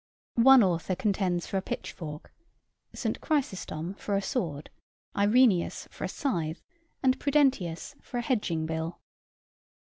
One author contends for a pitchfork, St. Chrysostom for a sword, Irenæus for a scythe, and Prudentius for a hedging bill.